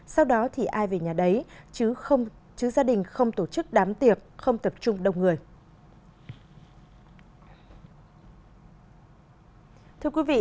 sau đó thì ai về nhà đấy chứ gia đình không tổ chức đám tiệc không tập trung đông người